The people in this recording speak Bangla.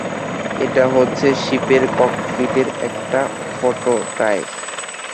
এটা হচ্ছে শিপের ককপিটের একটা প্রোটোটাইপ!